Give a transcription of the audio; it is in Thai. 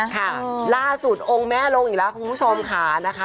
ค่ะล่าสุดองค์แม่ลงอีกแล้วคุณผู้ชมค่ะนะคะ